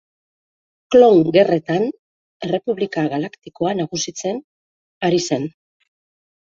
Klon Gerretan Errepublika Galaktikoa nagusitzen ari zen.